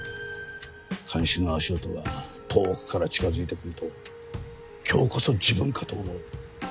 看守の足音が遠くから近づいてくると今日こそ自分かと思う。